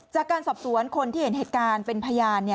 จากการสอบสวนคนที่เห็นเหตุการณ์เป็นพยาน